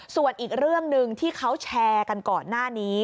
ส่วนอีกเรื่องหนึ่งที่เขาแชร์กันก่อนหน้านี้